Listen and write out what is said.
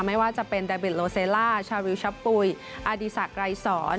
ไม่ว่าจะเป็นดาบิดโลเซล่าชาริวชะปุ๋ยอดีศักดรายสอน